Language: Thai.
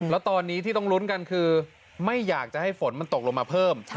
แล้วตอนนี้ที่ต้องลุ้นกันคือไม่อยากจะให้ฝนมันตกลงมาเพิ่ม